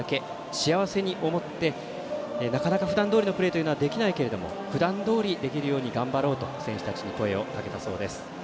幸せに思って、なかなかふだんどおりのプレーというのはできないけれどもふだんどおりできるように頑張ろうと選手たちに声をかけたそうです。